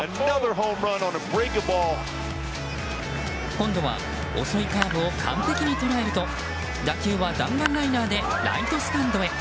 今度は遅いカーブを完璧に捉えると打球は弾丸ライナーでライトスタンドへ。